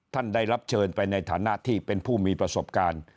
ท่านได้รับเชิญไปในฐานะที่เป็นผู้มีประสบการณ์